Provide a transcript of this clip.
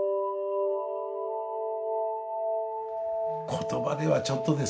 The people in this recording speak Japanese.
言葉ではちょっとですね